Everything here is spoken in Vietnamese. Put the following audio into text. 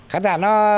khán giả nó